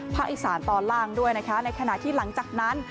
อีสานตอนล่างด้วยนะคะในขณะที่หลังจากนั้น